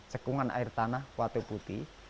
cekungan air tanah kuate putih